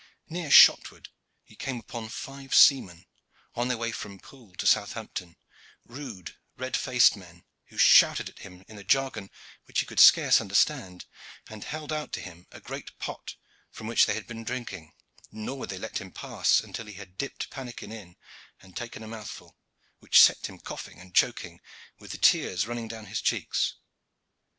Near Shotwood he came upon five seamen, on their way from Poole to Southampton rude red faced men, who shouted at him in a jargon which he could scarce understand, and held out to him a great pot from which they had been drinking nor would they let him pass until he had dipped pannikin in and taken a mouthful, which set him coughing and choking, with the tears running down his cheeks.